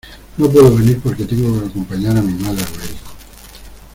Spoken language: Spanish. No puedo venir porque tengo que acompañar a mi madre al médico.